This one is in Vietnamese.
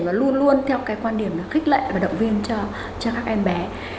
và luôn luôn theo cái quan điểm là khích lệ và động viên cho các em bé